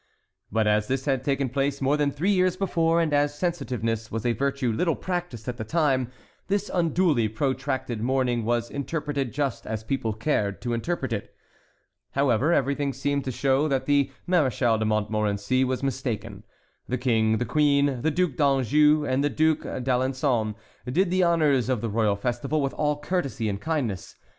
But as this had taken place more than three years before, and as sensitiveness was a virtue little practised at that time, this unduly protracted mourning was interpreted just as people cared to interpret it. However, everything seemed to show that the Maréchal de Montmorency was mistaken. The King, the Queen, the Duc d'Anjou, and the Duc d'Alençon did the honors of the royal festival with all courtesy and kindness.